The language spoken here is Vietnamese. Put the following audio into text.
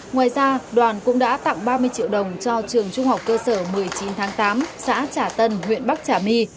ngoài ra đoàn cũng đã tặng ba mươi triệu đồng cho trường trung học cơ sở một mươi chín tháng tám xã trà tân huyện bắc trà my